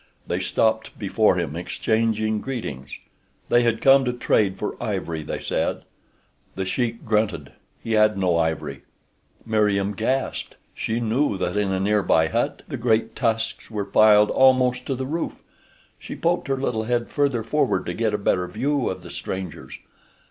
They stopped before him, exchanging greetings. They had come to trade for ivory they said. The Sheik grunted. He had no ivory. Meriem gasped. She knew that in a near by hut the great tusks were piled almost to the roof. She poked her little head further forward to get a better view of the strangers.